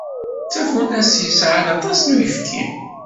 D tafunast yesɛan aṭas n uyefki.